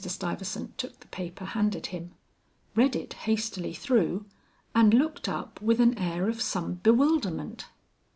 Stuyvesant took the paper handed him, read it hastily through, and looked up with an air of some bewilderment.